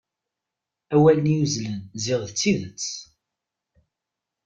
Awal-nni yuzzlen ziɣ d tidet.